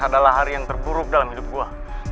adalah hari yang terburuk dalam hidup gua